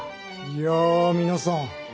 いや皆さん